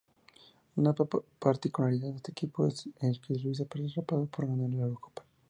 Una particularidad de este capítulo es que Luis aparece rapado por ganar la Eurocopa.